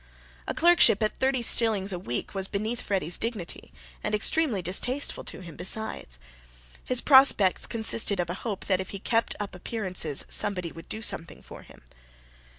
A clerkship at thirty shillings a week was beneath Freddy's dignity, and extremely distasteful to him besides. His prospects consisted of a hope that if he kept up appearances somebody would do something for him.